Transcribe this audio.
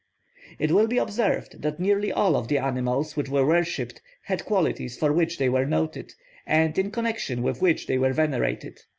It will be observed that nearly all of the animals which were worshipped had qualities for which they were noted, and in connection with which they were venerated.